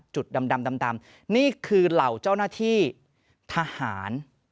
จุดดำนี่คือเหล่าเจ้าหน้าที่ทหาร